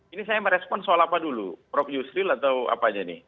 ini saya merespon soal apa dulu prof yusri atau apa aja ini